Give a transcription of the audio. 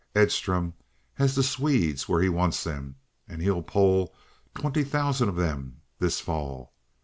Edstrom has the Swedes where he wants them, and he'll poll twenty thousand of them this fall.